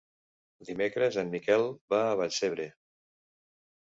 Dimecres en Miquel va a Vallcebre.